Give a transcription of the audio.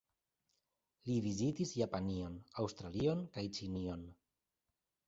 Li vizitis Japanion, Aŭstralion kaj Ĉinion.